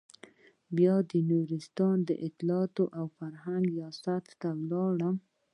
بيا د نورستان اطلاعاتو او فرهنګ رياست ته لاړم.